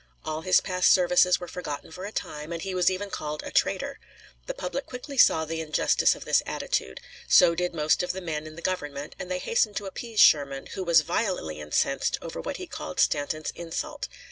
All his past services were forgotten for a time, and he was even called a "traitor." The public quickly saw the injustice of this attitude; so did most of the men in the Government, and they hastened to appease Sherman, who was violently incensed over what he called Stanton's insult.